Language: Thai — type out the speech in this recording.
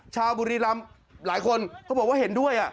บุรีรำหลายคนเขาบอกว่าเห็นด้วย